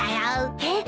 えっ？